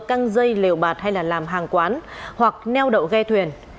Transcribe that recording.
căng dây lều bạt hay là làm hàng quán hoặc neo đậu ghe thuyền